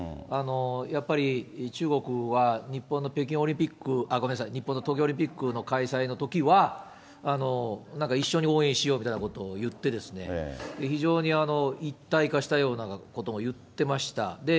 やっぱり中国は、日本の北京オリンピック、ごめんなさい、日本の東京オリンピックの開催のときは、なんか一緒に応援しようみたいなことを言って、非常に一体化したようなことも言ってました。